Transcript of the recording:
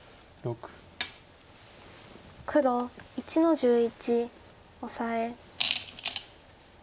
黒１の十一オサエ。